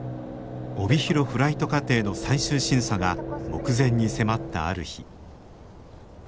帯広フライト課程の最終審査が目前に迫ったある日。